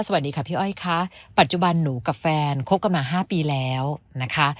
สวัสดีค่ะพี่อ้อยค่ะปัจจุบันหนูกับแฟนคบกันมา๕ปีแล้วนะคะ